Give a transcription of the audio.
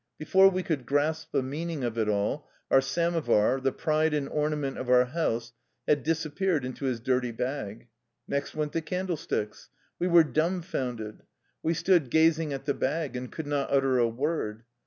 Before we could grasp the meaning of it all, our samovar, the pride and ornament of our house, had disappeared into his dirty bag. Next went the candlesticks. We were dumfounded. We stood gazing at the bag, and could not utter a word.